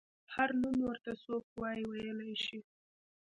هر نوم ورته څوک وايي ویلی شي.